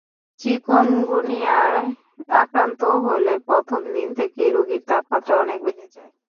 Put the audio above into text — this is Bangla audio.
চিকনগুনিয়ায় আক্রান্ত হলে প্রথম দিন থেকেই রোগীর তাপমাত্রা অনেক বেড়ে যায়।